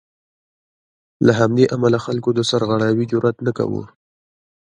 له همدې امله خلکو د سرغړاوي جرات نه کاوه.